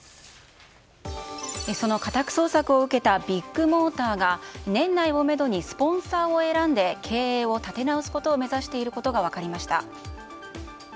その家宅捜索を受けたビッグモーターが年内をめどにスポンサーを選んで経営を立て直すことを目指していることが分かりました。